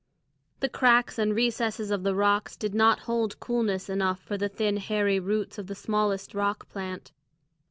The cracks and recesses of the rocks did not hold coolness enough for the thin, hairy roots of the smallest rock plant.